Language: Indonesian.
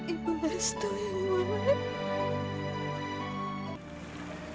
ibu restu ibu ibu